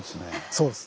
そうです。